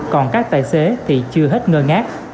còn các tài xế thì chưa hết ngơ ngác